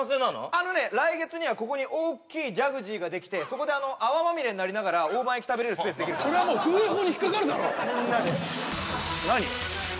あのね来月にはここにおっきいジャグジーができてそこで泡まみれになりながら大判焼き食べれるスペースできるからそれはもう風営法に引っかかるだろ何？